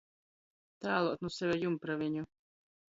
Tāluot nu seve jumpraveņu.